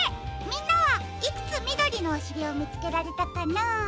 みんなはいくつみどりのおしりをみつけられたかな？